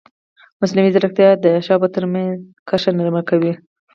مصنوعي ځیرکتیا د ښه او بد ترمنځ کرښه نرمه کوي.